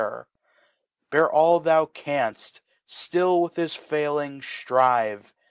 Bear all thou cantt^ ftlll with his Failings firire.